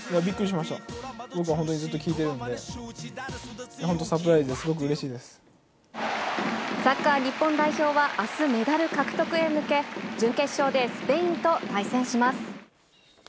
僕は本当にずっと聴いてるんで、本当、サッカー日本代表は、あすメダル獲得へ向け、準決勝でスペインと対戦します。